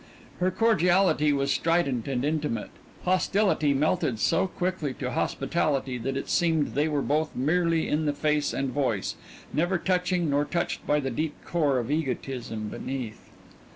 Her cordiality was strident and intimate, hostility melted so quickly to hospitality that it seemed they were both merely in the face and voice never touching nor touched by the deep core of egotism beneath.